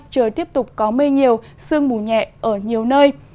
trời tiếp tục có mây nhiều sương mù nhẹ ở nhiều nơi